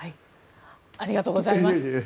ありがとうございます。